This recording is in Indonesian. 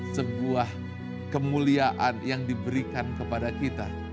sebuah kemuliaan yang diberikan kepada kita